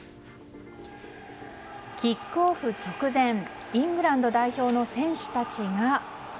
キックオフ直前イングランド代表の選手たちが。